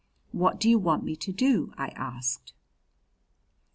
"What do you want me to do?" I asked.